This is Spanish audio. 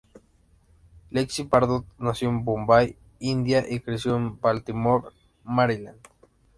Lexi Bardot nació en Bombay, India, y creció en Baltimore, Maryland.